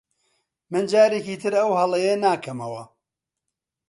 من جارێکی تر ئەو هەڵەیە ناکەمەوە.